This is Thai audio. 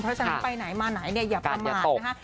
เพราะฉะนั้นไปไหนมาไหนเนี่ยอย่าประมาทนะคะ